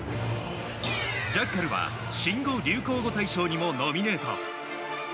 ジャッカルは新語・流行語大賞にもノミネート。